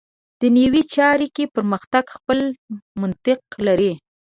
دنیوي چارو کې پرمختګ خپل منطق لري.